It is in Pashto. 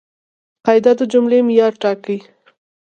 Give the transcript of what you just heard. قاعده د جملې معیار ټاکي.